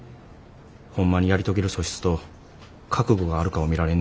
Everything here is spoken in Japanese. ホンマにやり遂げる素質と覚悟があるかを見られんねん。